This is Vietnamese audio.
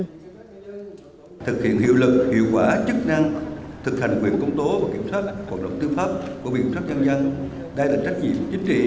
thực hiện hiệu lực hiệu quả chức năng thực hành quyền công tố và kiểm sát hoạt động tư pháp của viện kiểm sát nhân dân